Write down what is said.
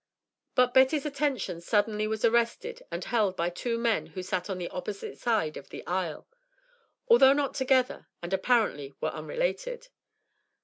But Betty's attention suddenly was arrested and held by two men who sat on the opposite side of the aisle, although not together, and apparently were unrelated.